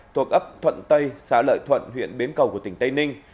thuộc ấp thuận tây xã lợi thuận huyện bến cầu của tỉnh tây ninh